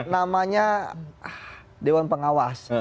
namanya dewan pengawas